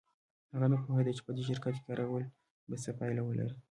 هغه نه پوهېده چې په دې شرکت کې کار کول به څه پایله ولري